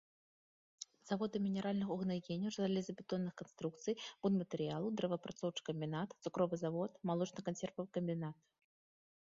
Заводы мінеральных угнаенняў, жалезабетонных канструкцый, будматэрыялаў, дрэваапрацоўчы камбінат, цукровы завод, малочна-кансервавы камбінат.